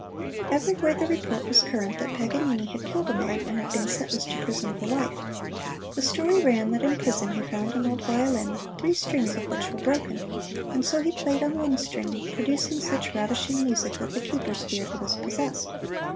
Everywhere the report was current that Paganini had killed a man, and been sentenced to prison for life. The story ran that in prison he found an old violin, three strings of which were broken, and so he played on one string, producing such ravishing music that the keepers feared he was "possessed."